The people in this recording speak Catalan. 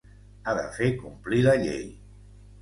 Ha de fer complir la llei.